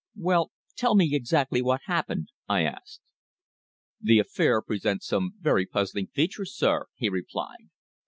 "Well tell me exactly what happened," I asked. "The affair presents some very puzzling features, sir," he replied.